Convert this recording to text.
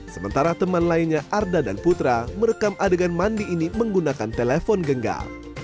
sementara teman lainnya arda dan putra merekam adegan mandi ini menggunakan telepon genggam